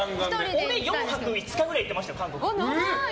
俺、４泊５日ぐらい韓国行ってましたよ。